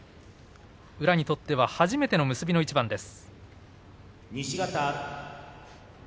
宇良にとっては初めての結びの一番です。